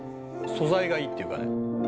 「素材がいいっていうかね」